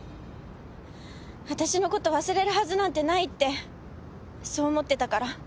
私の事忘れるはずなんてないってそう思ってたから。